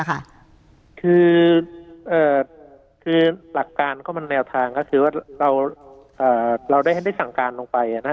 คือหลักการก็มันแนวทางเราได้ให้ได้สั่งการลงไป